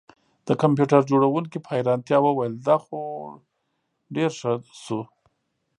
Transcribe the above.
د کمپیوټر جوړونکي په حیرانتیا وویل دا خو ډیر ښه شو